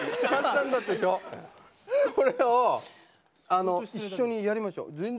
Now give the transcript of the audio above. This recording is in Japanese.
これを一緒にやりましょう。